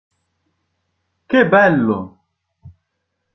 Che bello!